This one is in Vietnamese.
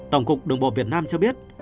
tổng cục đường bộ việt nam cho biết